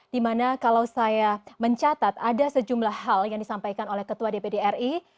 di mana kalau saya mencatat ada sejumlah hal yang disampaikan oleh ketua dpr ri